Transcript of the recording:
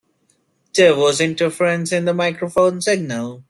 There was interference in the microphone signal.